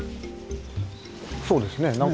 そうですねなんか。